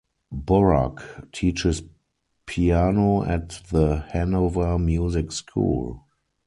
Borac teaches piano at the Hanover Music School.